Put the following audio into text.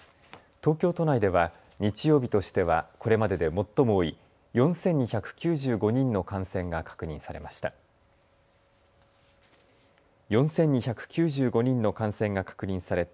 東京都内では日曜日としてはこれまでで最も多い４２９５人の感染が確認されました。